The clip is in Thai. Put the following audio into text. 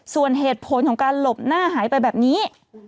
ส่วนเหตุผลของการหลบหน้าหายไปแบบนี้